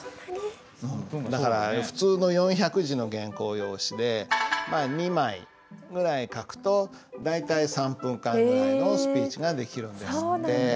だから普通の４００字の原稿用紙でまあ２枚ぐらい書くと大体３分間ぐらいのスピーチができるんですって。